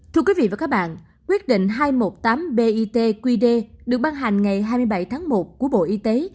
thưa quý vị và các bạn quyết định hai trăm một mươi tám bitqd được ban hành ngày hai mươi bảy tháng một của bộ y tế